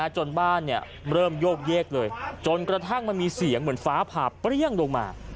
จนบ้านเริ่มโยกเยกเลยจนกระทั่งมันมีเสียงเหมือนฟ้าผ่าเปรี้ยงลงมา